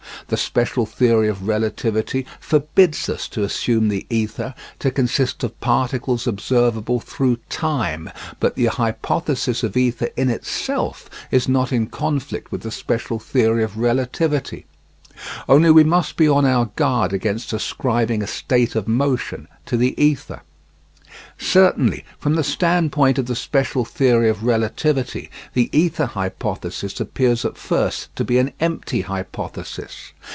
The special theory of relativity forbids us to assume the ether to consist of particles observable through time, but the hypothesis of ether in itself is not in conflict with the special theory of relativity. Only we must be on our guard against ascribing a state of motion to the ether. Certainly, from the standpoint of the special theory of relativity, the ether hypothesis appears at first to be an empty hypothesis.